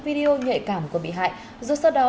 video nhạy cảm của bị hại dù sau đó